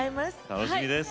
楽しみです。